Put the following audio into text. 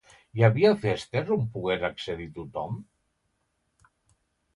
Hi havia festes on pogués accedir tothom?